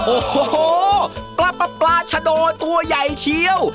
โอ้โฮปลาประประชโดตัวย่ายเชียว